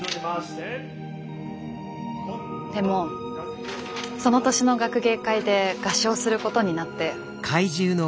でもその年の学芸会で合唱することになって。